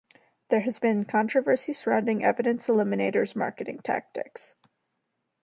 There has been controversy surrounding Evidence Eliminator's marketing tactics.